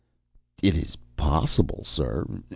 "It is possible, sir.